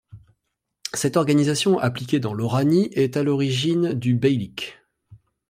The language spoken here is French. Cette organisation appliquée dans l'Oranie, est à l’origine du beylic.